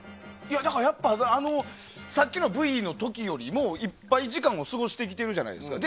やっぱりさっきのＶの時よりもいっぱい時間を過ごしてきてるじゃないですか。